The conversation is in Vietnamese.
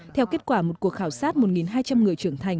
theo kết quả một cuộc khảo sát một hai trăm linh người trưởng thành